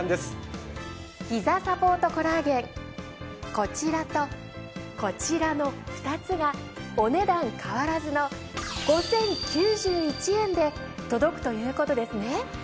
こちらとこちらの２つがお値段変わらずの５，０９１円で届くということですね。